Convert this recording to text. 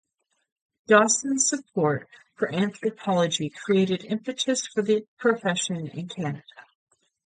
Dawson's support for anthropology created impetus for the profession in Canada.